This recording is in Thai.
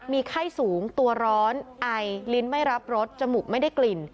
มีไข้สูงตัวร้อนไอลิ้นไม่รับรสจมูกไม่ได้กลิ่น